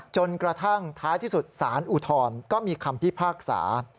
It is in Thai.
จนกระทั่งท้ายที่สุดสารอุทธรณ์ก็มีคำพิพากษา